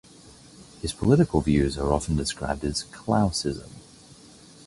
His political views are often described as "Klausism".